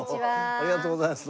ありがとうございます。